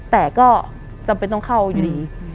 แต่ก็จำเป็นต้องเข้าอยู่ดี